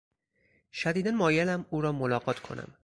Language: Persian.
شدیدا مایلم او را ملاقات کنم.